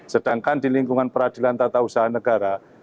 sedangkan di lingkungan peradilan tata usaha negara